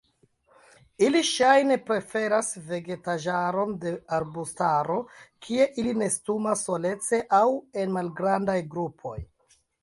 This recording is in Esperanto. Ili ŝajne preferas vegetaĵaron de arbustaro kie ili nestumas solece aŭ en malgrandaj grupoj.